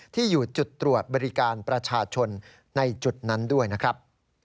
ที่อยู่จุดตรวจบริการประชาชนในจุดนั้นด้วยนะครับ